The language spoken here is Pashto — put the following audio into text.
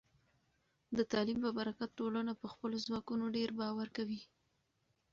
د تعلیم په برکت، ټولنه په خپلو ځواکونو ډیر باور کوي.